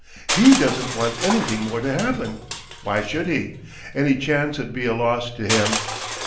He doesn't want anything more to happen. Why should he? Any chance 'ud be a loss to him.